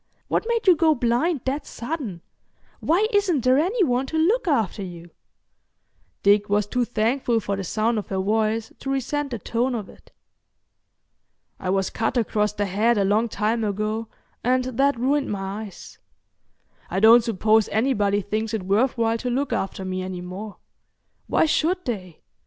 What made you go blind that sudden? Why isn't there any one to look after you?" Dick was too thankful for the sound of her voice to resent the tone of it. "I was cut across the head a long time ago, and that ruined my eyes. I don't suppose anybody thinks it worth while to look after me any more. Why should they?